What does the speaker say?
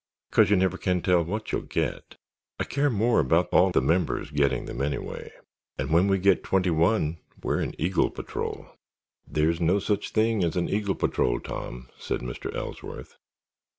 "'Cause you can never tell what you'll get. I care more about all the members getting them, anyway, and when we get twenty one we're an Eagle Patrol." "There's no such thing as an Eagle Patrol, Tom," said Mr. Ellsworth.